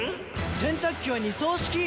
洗濯機は二槽式！